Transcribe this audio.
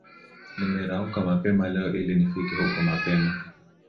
Nimerauka mapema leo ili nifike huko mapema